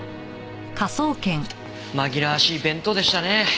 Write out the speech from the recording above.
紛らわしい弁当でしたねえ。